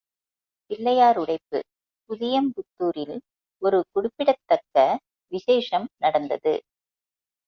பிள்ளையார் உடைப்பு புதியம்புத்துரில் ஒரு குறிப்பிடத்தக்க விசேஷம் நடந்தது.